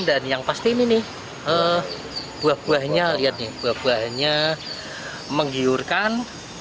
dan yang pasti ini nih buah buahnya lihat nih buah buahnya menggiurkan